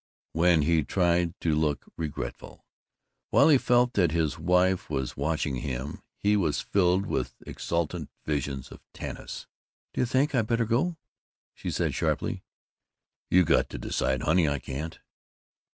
While he tried to look regretful, while he felt that his wife was watching him, he was filled with exultant visions of Tanis. "Do you think I'd better go?" she said sharply. "You've got to decide, honey; I can't."